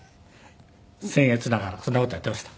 僭越ながらそんな事をやっていました。